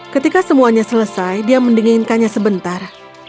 ketika semuanya selesai dia mendinginkannya sebentar